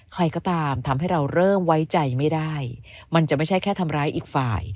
ใครก็ตามทำให้เราเริ่มไว้ใจไม่ได้มันจะไม่ใช่แค่ทำร้ายอีกฝ่าย